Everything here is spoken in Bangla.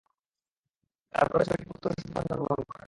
তাঁর গর্ভে ছয়টি পুত্র সন্তান জন্মগ্রহণ করেন।